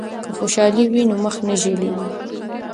که خوشحالی وي نو مخ نه ژیړیږي.